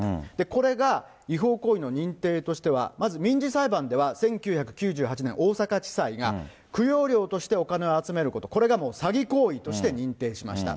これが違法行為の認定としては、まず民事裁判では１９９８年、大阪地裁が供養料としてお金を集めること、これがもう詐欺行為として認定しました。